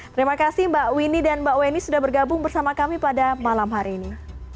terima kasih mbak winnie dan mbak weni sudah bergabung bersama kami pada malam hari ini